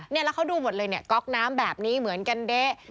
แล้วเขาดูหมดเลยเนี่ยก๊อกน้ำแบบนี้เหมือนกันเด๊ะ